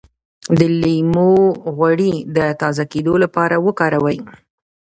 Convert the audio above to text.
د لیمو غوړي د تازه کیدو لپاره وکاروئ